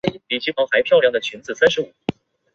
阿勒泰花蟹蛛为蟹蛛科花蟹蛛属的动物。